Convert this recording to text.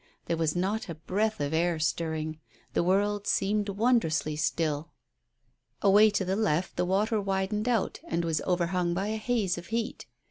There was not a breath of air stirring; the world seemed wondrously still. Away to the left the water widened out, and was overhung by a haze of heat.